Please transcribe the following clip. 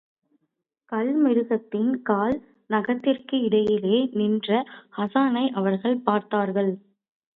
கல் மிருகத்தின் கால் நகத்திற்கிடையிலே நின்ற ஹாஸானை அவர்கள் பார்த்தார்கள்.